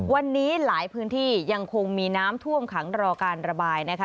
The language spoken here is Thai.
วันนี้หลายพื้นที่ยังคงมีน้ำท่วมขังรอการระบายนะคะ